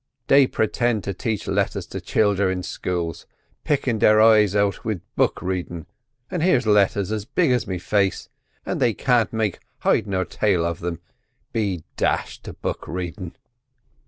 "They pritind to tache letters to childer in schools, pickin' their eyes out wid book readin', and here's letters as big as me face an' they can't make hid or tail of them—be dashed to book readin'!"